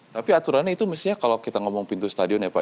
tapi aturannya itu mestinya kalau kita ngomong pintu stadion ya pak